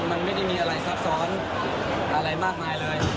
มันไม่ได้มีอะไรซับซ้อนอะไรมากมายเลย